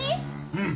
うん。